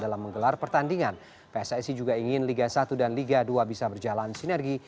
dalam menggelar pertandingan pssi juga ingin liga satu dan liga dua bisa berjalan sinergi